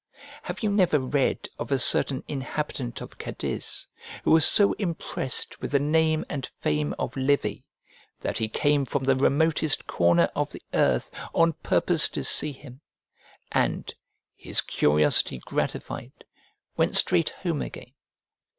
Have you never read of a certain inhabitant of Cadiz who was so impressed with the name and fame of Livy that he came from the remotest corner of the earth on purpose to see him, and, his curiosity gratified, went straight home again.